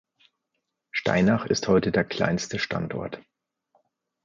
Steinach ist heute der kleinste Standort.